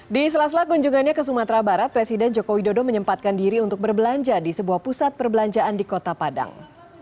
di sela sela kunjungannya ke sumatera barat presiden joko widodo menyempatkan diri untuk berbelanja di sebuah pusat perbelanjaan di kota padang